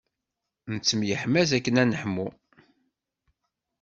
Nettemyeḥmaẓ akken ad neḥmu.